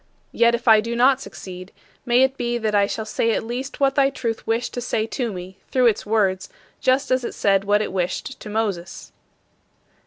Yet if I do not succeed, may it be that I shall say at least what thy Truth wished to say to me through its words, just as it said what it wished to Moses.